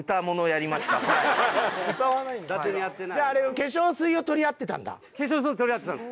化粧水を取り合ってたんです。